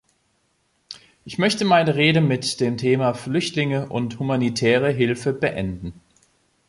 Ich möchte meine Rede mit dem Thema Flüchtlinge und humanitäre Hilfe beenden.